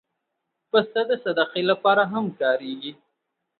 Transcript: پسه د صدقې لپاره هم کارېږي.